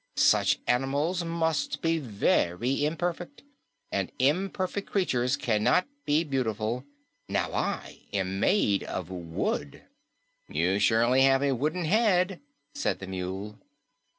Such animals must be very imperfect, and imperfect creatures cannot be beautiful. Now, I am made of wood." "You surely have a wooden head," said the Mule.